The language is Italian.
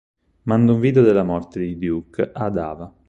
Manda un video della morte di Duke ad Ava.